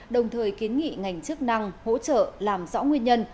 đồng thời kiến nghị ngành chức năng hỗ trợ làm rõ nguyên nhân